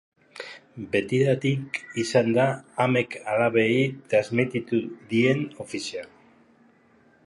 Betidanik izan da amek alabei transmititu dien ofizioa.